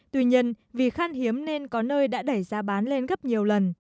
tuy nhiên vì khan hiếm nên có nơi đã đẩy giá bán lên gấp nhiều lần